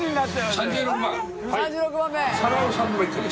３６番目。